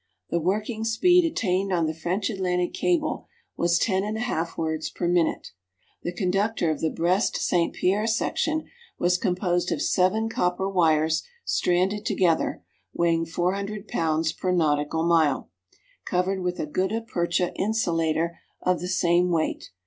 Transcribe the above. The working speed attained on the French Atlantic cable was ten and a half words per minute. The conductor of the Brest St. Pierre section was composed of seven copper wires stranded together, weighing 400 pounds per nautical mile, covered with a gutta percha insulator of the same weight.